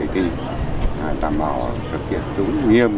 đã vào thực hiện đúng nghiêm